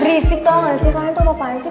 berisik tau gak sih kalian tuh apa apaan sih